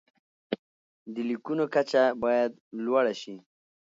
د لیکنو کچه باید لوړه شي.